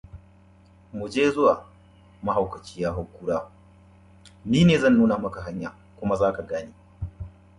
Century.